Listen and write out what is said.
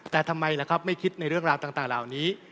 แต่ทำไมล่ะครับไม่คิดในเรื่องราวต่างเหล่านี้